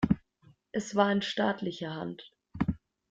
Es war in staatlicher Hand.